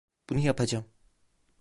Bunu yapacağım.